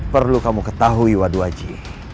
perlu kamu ketahui wadu aji